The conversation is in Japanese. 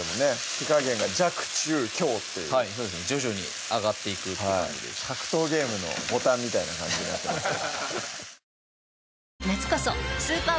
火加減が弱・中・強っていうはいそうですね徐々に上がっていくって感じで格闘ゲームのボタンみたいな感じになってますよ